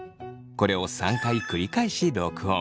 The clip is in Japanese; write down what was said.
これを３回繰り返し録音。